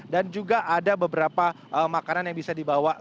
dan juga ada beberapa makanan yang bisa dibawa